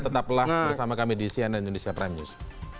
tetaplah bersama kami di sian dan indonesia prime news